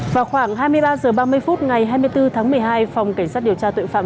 vào khoảng hai mươi ba h ba mươi phút ngày hai mươi bốn tháng một mươi hai phòng cảnh sát điều tra tội phạm